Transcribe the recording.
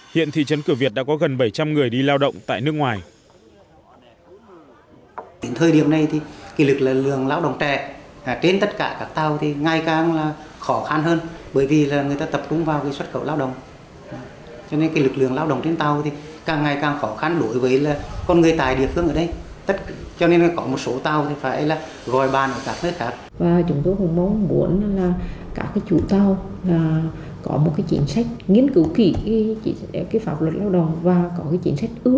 hiện thị trấn cửa việt đã có gần bảy trăm linh người đi lao động tại nước ngoài